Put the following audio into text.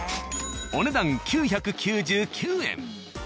お値段９９９円。